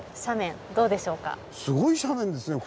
すごい斜面ですね